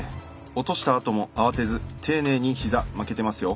落としたあとも慌てず丁寧に膝巻けてますよ。